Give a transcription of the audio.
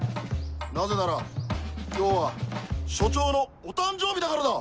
なぜなら今日は署長のお誕生日だからだ！